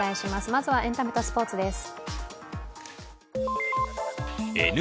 まずはエンタメとスポーツです。